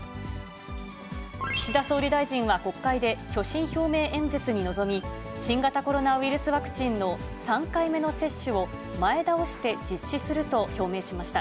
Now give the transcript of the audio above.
岸田総理大臣は国会で所信表明演説に臨み、新型コロナウイルスワクチンの３回目の接種を前倒して実施すると表明しました。